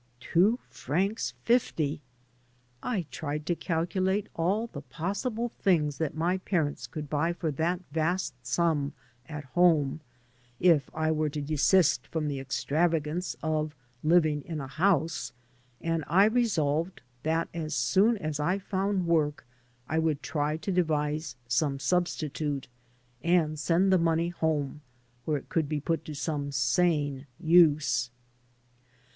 Two francs fifty! I tried to calculate all the possible things that my parents could buy for that vast sum at home if I were to desist from the extravagance of living in a house, and I resolved that as soon as I found work I would try to devise some substitute, and send the money home where it could be piit to some sane use.